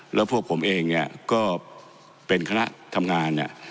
แล้วพวกผมเองเนี่ยก็เป็นคณะทำงานเนี่ย